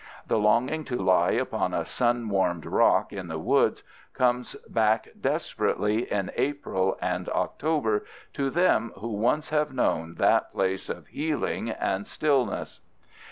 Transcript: The longing to lie upon a sun warmed rock in the woods comes back desperately in April and October to them who once have known that place of healing and stillness.